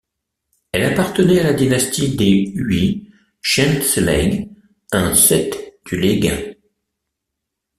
Elle appartenait à la dynastie des Uí Cheinnselaigh, un Sept du Laigin.